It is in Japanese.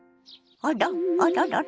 あらららら？